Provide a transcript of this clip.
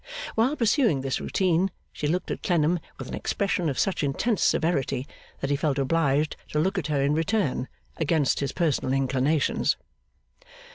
While pursuing this routine, she looked at Clennam with an expression of such intense severity that he felt obliged to look at her in return, against his personal inclinations.